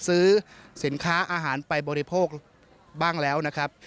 ซื้อสินค้าอาหารไปบริโภคบ้างแล้วนะครับ